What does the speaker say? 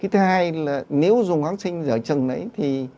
thứ hai là nếu dùng kháng sinh giở trừng đấy thì